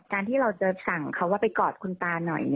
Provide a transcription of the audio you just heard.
ที่เราจะสั่งเขาว่าไปกอดคุณตาหน่อย